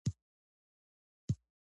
پښتو زموږ د نیکونو او کلتور ژبه ده.